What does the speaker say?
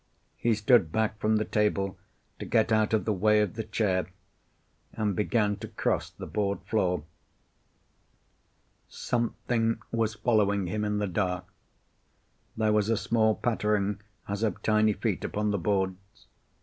He stood back from the table, to get out of the way of the chair, and began to cross the board floor. Something was following him in the dark. There was a small pattering, as of tiny feet upon the boards.